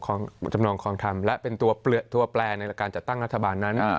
เข้าจำนองคลองธรรมและเป็นตัวที่เปลี่ยนตัวแปลในเรื่องการจัดตั้งรัฐบาลนั้น